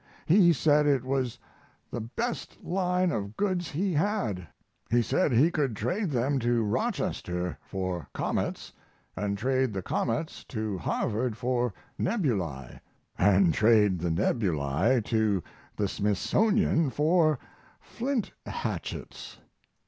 He said it was the bast line of goods he had; he said he could trade them to Rochester for comets, and trade the comets to Harvard for nebulae, and trade the nebula to the Smithsonian for flint hatchets.